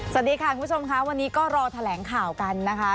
สวัสดีค่ะคุณผู้ชมค่ะวันนี้ก็รอแถลงข่าวกันนะคะ